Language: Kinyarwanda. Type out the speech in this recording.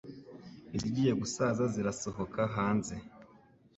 izigiye gusaza zirasohoka hanze